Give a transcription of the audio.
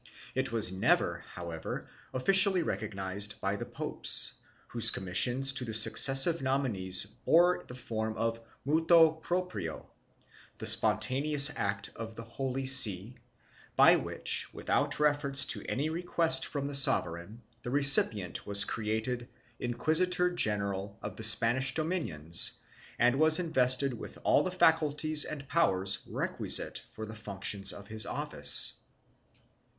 It was never, however, officially recognized by the popes, whose commissions to the successive nominees bore the form of a motu proprio — the spontaneous act of the Holy See — by which, without reference to any request from the sovereign, the recipient was created inquisitor general of the Spanish dominions and was invested with all the faculties and powers requisite for the functions of his office.